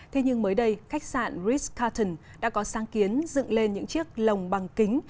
thế nhưng mới đây khách sạn ris carton đã có sáng kiến dựng lên những chiếc lồng bằng kính